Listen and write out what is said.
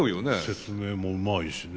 説明もうまいしね。